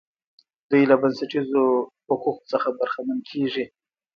دوی له بنسټیزو حقوقو څخه برخمن کیږي.